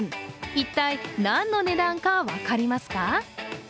一体何の値段か分かりますか？